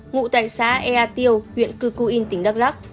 ngụ tại xã ea tiêu huyện cư cu yên tỉnh đắk lắc